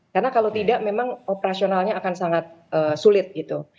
karena kalau tidak memang operasionalnya akan sangat sulit gitu